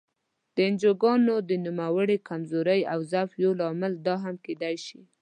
د انجوګانو د نوموړې کمزورۍ او ضعف یو لامل دا هم کېدای شي.